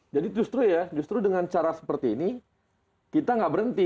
jadi justru ya justru dengan cara seperti ini kita nggak berhenti